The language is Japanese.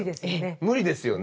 無理ですよね。